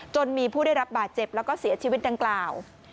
จนมีผู้ได้รับบาดเจ็บแล้วก็เสียชีวิตดังกล่าว